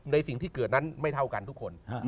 สิ่งที่เกิดนั้นไม่เท่ากันทุกคน